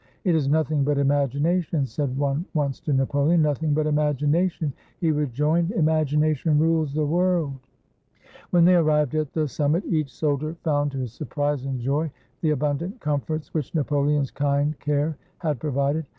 "It is nothing but imagination," said one once to Napoleon. ^'Nothing hut imagination!^^ he rejoined. ^^Imagination rules the worlds When they arrived at the summit, each soldier found, to his surprise and joy, the abundant comforts which Napoleon's kind care had provided.